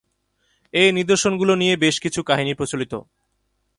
এই নিদর্শনগুলো নিয়ে বেশ কিছু কাহিনী প্রচলিত।